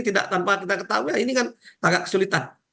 tidak tanpa kita ketahui ini kan agak kesulitan